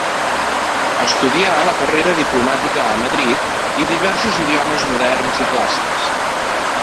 Estudià la carrera diplomàtica a Madrid i diversos idiomes moderns i clàssics.